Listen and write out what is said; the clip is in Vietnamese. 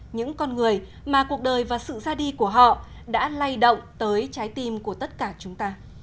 những con người mà cuộc đời và sự ra đi của họ đã lay động tới trái tim của tất cả chúng ta